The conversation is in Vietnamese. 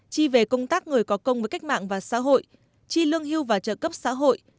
chi về công tác người có công với cách mạng và xã hội chi lương hưu và trợ cấp xã hội